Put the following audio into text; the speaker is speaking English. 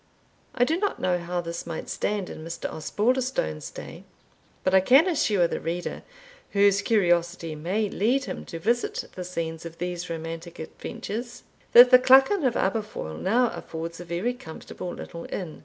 I do not know how this might stand in Mr. Osbaldistone's day, but I can assure the reader, whose curiosity may lead him to visit the scenes of these romantic adventures, that the Clachan of Aberfoil now affords a very comfortable little inn.